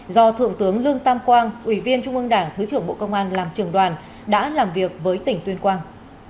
do thượng tướng lương tam quang ủy viên trung ương đảng thứ trưởng bộ công an làm trường đoàn đã làm việc với tỉnh tuyên quang